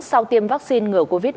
sau tiêm vaccine ngừa bệnh